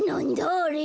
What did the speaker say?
あれ。